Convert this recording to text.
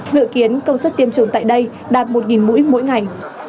dự kiến công suất tiêm chủng tại đây đạt một mũi mỗi ngày